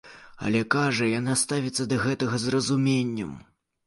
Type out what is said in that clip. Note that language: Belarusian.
Але, кажа, яна ставіцца да гэтага з разуменнем.